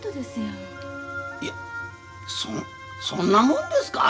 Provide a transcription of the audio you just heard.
いやそそんなもんですか？